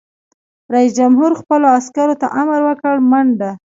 رئیس جمهور خپلو عسکرو ته امر وکړ؛ منډه!